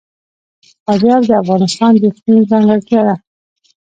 فاریاب د افغانستان د اقلیم ځانګړتیا ده.